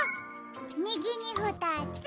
みぎにふたつ。